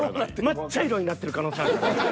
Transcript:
真っ茶色になってる可能性あるで。